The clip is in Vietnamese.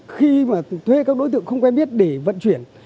khi mà thuê các đối tượng không quen biết để vận chuyển